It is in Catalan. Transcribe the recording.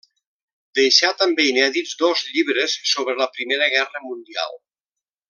Deixà també inèdits dos llibres sobre la Primera Guerra Mundial.